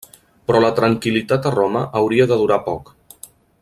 Però la tranquil·litat a Roma hauria de durar poc.